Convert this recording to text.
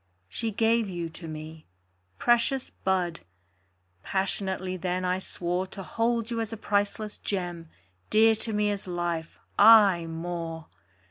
She gave you to me. Precious bud! Passionately then I swore To hold you as a priceless gem, Dear to me as life aye more!